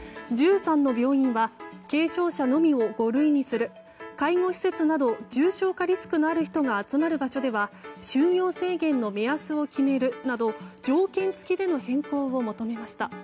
１３の病院は軽症者のみを五類にする介護施設など重症化リスクのある人が集まる場所では就業制限の目安を決めるなど条件付きでの変更を求めました。